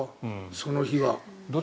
その日は。